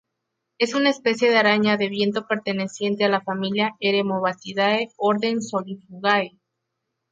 Es una especie de araña de viento perteneciente a la familia Eremobatidae orden Solifugae.